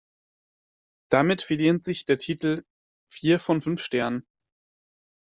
Damit verdient sich der Titel vier von fünf Sternen.